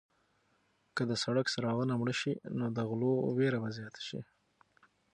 که د سړک څراغونه مړه شي نو د غلو وېره به زیاته شي.